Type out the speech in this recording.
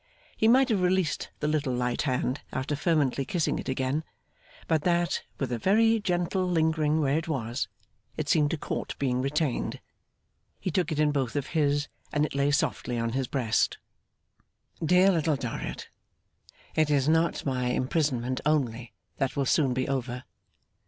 He might have released the little light hand after fervently kissing it again; but that, with a very gentle lingering where it was, it seemed to court being retained. He took it in both of his, and it lay softly on his breast. 'Dear Little Dorrit, it is not my imprisonment only that will soon be over.